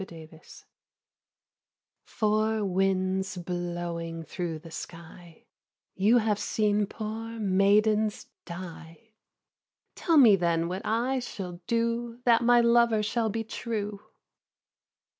Four Winds "Four winds blowing through the sky, You have seen poor maidens die, Tell me then what I shall do That my lover may be true."